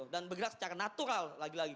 dan bergerak secara natural